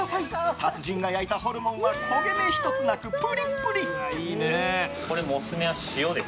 達人が焼いたホルモンは焦げ目１つなく、プリップリ。